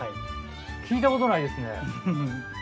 聞いたことないですね。